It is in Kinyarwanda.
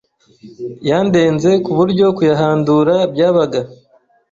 yandenze kuburyo kuyahandura byabaga